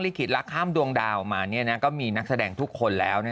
ลิขิตละข้ามดวงดาวออกมาเนี่ยก็มีนักแสดงทุกคนแล้ว